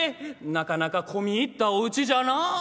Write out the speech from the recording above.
「なかなか込み入ったおうちじゃなあ。